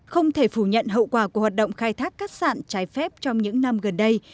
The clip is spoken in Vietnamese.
không thể phủ nhận hậu quả của hoạt động khai thác cát sản trái phép trong những năm gần đây